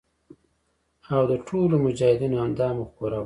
او د ټولو مجاهدینو همدا مفکوره وي.